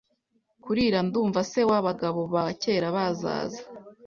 Kurira ndumva se wabagabo ba kera bazaza